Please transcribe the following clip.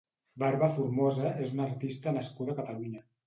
Barbaformosa és una artista nascuda a Catalunya.